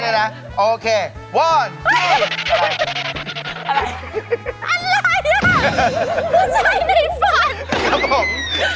อะไรน่ะแปุใสได้ฝันครับผม